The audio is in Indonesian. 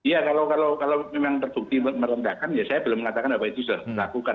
ya kalau memang terbukti merendahkan ya saya belum mengatakan bahwa itu sudah dilakukan